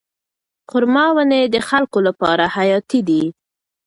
خورما ونې د خلکو لپاره حیاتي دي.